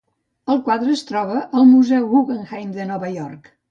El quadre es troba al Museu Guggenheim de Nova York.